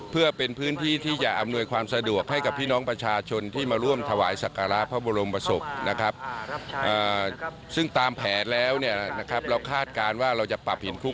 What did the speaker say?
เพื่อเป็นพื้นที่ที่จะอำนวยความสะดวกให้กับพี่น้องประชาชนที่มาร่วมถวายศักราพพระบรมศพ